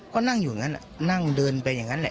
ก็นั่งอยู่อย่างนั้นนั่งเดินไปอย่างนั้นแหละ